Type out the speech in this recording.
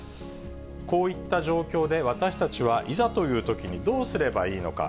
こういった状況で、私たちはいざというときにどうすればいいのか。